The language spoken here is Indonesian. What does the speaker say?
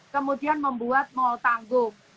kemudian membuat mall tangguh